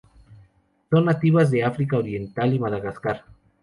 Son nativas de África oriental y Madagascar.